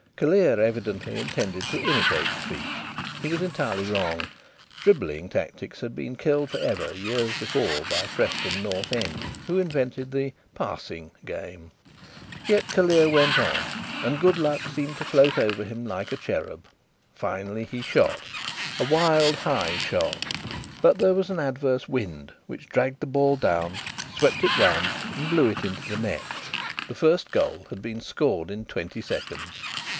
Callear evidently intended to imitate the feat. He was entirely wrong. Dribbling tactics had been killed for ever, years before, by Preston North End, who invented the "passing" game. Yet Callear went on, and good luck seemed to float over him like a cherub. Finally he shot; a wild, high shot; but there was an adverse wind which dragged the ball down, swept it round, and blew it into the net. The first goal had been scored in twenty seconds!